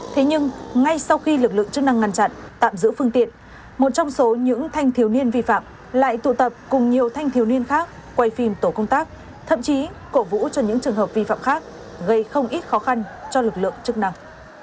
thế nhưng ngay sau khi lực lượng chức năng ngăn chặn tạm giữ phương tiện một trong số những thanh thiếu niên vi phạm lại tụ tập cùng nhiều thanh thiếu niên khác quay phim tổ công tác thậm chí cổ vũ cho những trường hợp vi phạm khác gây không ít khó khăn cho lực lượng chức năng